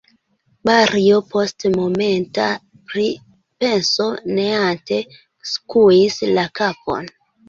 Mario post momenta pripenso neante skuis la kapon.